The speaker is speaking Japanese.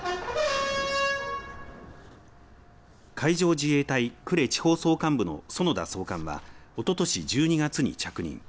海上自衛隊呉地方総監部の園田総監はおととし１２月に着任。